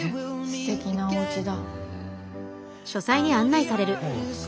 すてきなおうちだ。